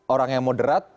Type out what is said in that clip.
orang yang moderat